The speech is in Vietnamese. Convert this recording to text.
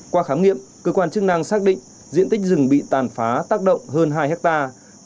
qua khám nghiệm cơ quan chức năng xác định diện tích rừng bị tàn phá tác động hơn hai hectare